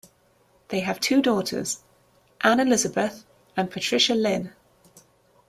They have two daughters, Anne Elizabeth and Patricia Lynn.